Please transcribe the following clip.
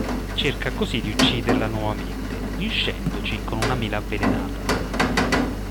Cerca così di ucciderla nuovamente, riuscendoci con una mela avvelenata.